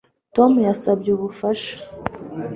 Tom yasabye ubufasha